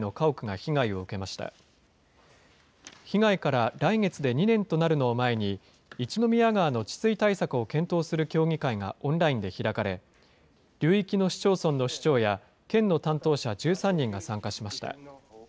被害から来月で２年となるのを前に、一宮川の治水対策を検討する協議会がオンラインで開かれ、流域の市町村の市長や、県の担当者１３人が参加しました。